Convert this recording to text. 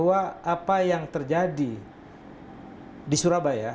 berupa pengeboman yang sangat terjadi di surabaya berupa pengeboman yang sangat terjadi di surabaya